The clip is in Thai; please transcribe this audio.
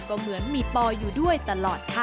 ก็เหมือนมีปออยู่ด้วยตลอดค่ะ